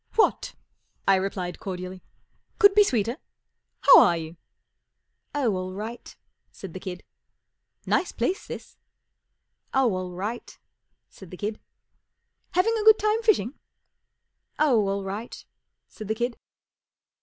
44 What," I replied, cordially, 44 could be sweeter ? How are you ?" 44 Oh, all right," said the kid. 44 Nice place, this." 44 Oh, all right," said the kid. 44 Having a good time fishing ?" 44 Oh. all right," said the kid.